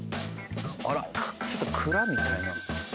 あらちょっと蔵みたいな。